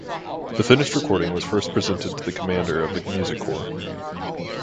The finished recording was first presented to the commander of the music corps.